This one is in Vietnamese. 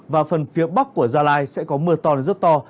và phần phía bắc của gia lai sẽ có mưa to đến rất to